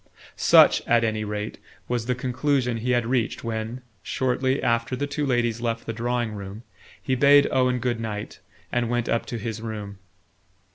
Such, at any rate, was the conclusion he had reached when, shortly after the two ladies left the drawing room, he bade Owen good night and went up to his room.